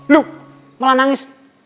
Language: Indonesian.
loh malah nangis